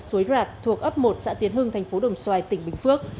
suối rạt thuộc ấp một xã tiến hưng thành phố đồng xoài tỉnh bình phước